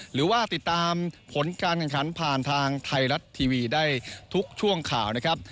หรือว่าติดตามผลการแข่งขันผ่านทางไทยรัฐทีวีได้ทุกช่วงข่าวนะครับ